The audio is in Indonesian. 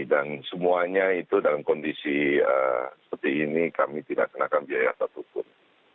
dan semuanya itu dalam kondisi seperti ini kami tidak kenakan biaya satupun